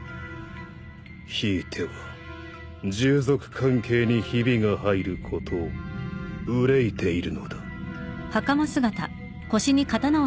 ひいては従属関係にひびが入ることをうれいているのだ。